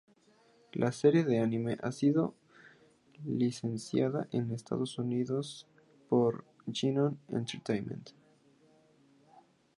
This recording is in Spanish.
La serie de anime ha sido licenciada en Estados Unidos por Geneon Entertainment.